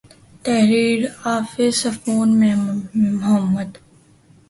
تحریر :حافظ صفوان محمد